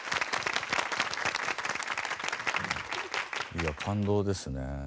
いや感動ですね。